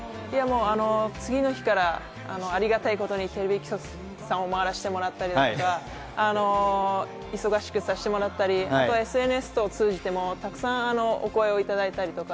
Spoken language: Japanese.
次の日からありがたいことにテレビ局さんを回らせてもらったりとか忙しくさせてもらったりＳＮＳを通じてもたくさんお声をいただいたりとか。